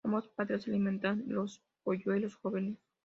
Ambos padres alimentan los polluelos jóvenes.